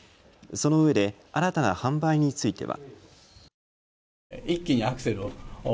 そのうえで新たな販売については。